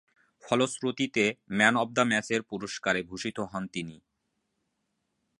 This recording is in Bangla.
ফলশ্রুতিতে ম্যান অব দ্য ম্যাচের পুরস্কারে ভূষিত হন তিনি।